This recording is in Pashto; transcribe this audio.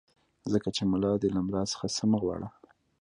ځکه چې ملا دی له ملا څخه څه مه غواړه.